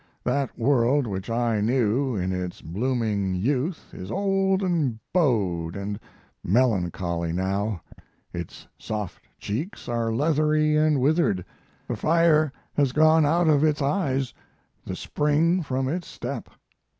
That world which I knew in its blooming youth is old and bowed and melancholy now; its soft cheeks are leathery and withered, the fire has gone out of its eyes, the spring from its step.